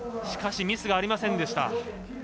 しかし、ミスがありませんでした。